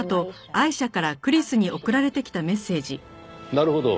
なるほど。